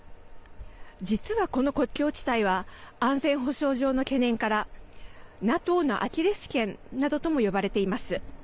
実は、この国境地帯は安全保障上の懸念からＮＡＴＯのアキレスけんなどとも呼ばれています。